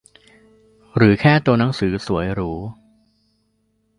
หรือแค่ตัวหนังสือสวยหรู